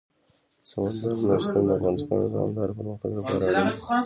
سمندر نه شتون د افغانستان د دوامداره پرمختګ لپاره اړین دي.